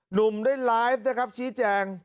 หนุ่มได้ไลฟ์นะครับชี้แจง